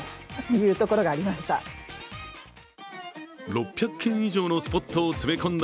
６００軒以上のスポットを詰め込んだ